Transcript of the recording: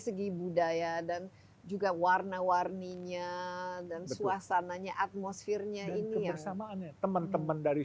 segi budaya dan juga warna warninya dan suasananya atmosfernya ini yang sama teman teman dari